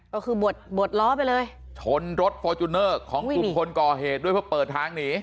ก็คือบดบดล้อไปเลยชนรถฟอร์จูเนอร์ของกลุ่มคนก่อเหตุด้วยเพื่อเปิดทางหนี